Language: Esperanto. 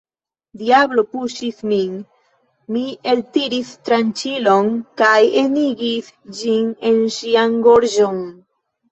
Diablo puŝis min, mi eltiris tranĉilon kaj enigis ĝin en ŝian gorĝon.